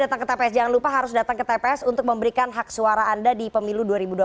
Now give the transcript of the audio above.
datang ke tps jangan lupa harus datang ke tps untuk memberikan hak suara anda di pemilu dua ribu dua puluh